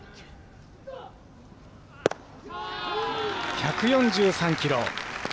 １４３キロ。